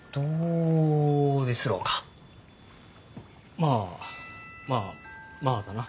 まあまあまあだな。